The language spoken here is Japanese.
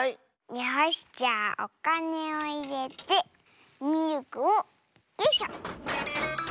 よしじゃあおかねをいれてミルクをよいしょ！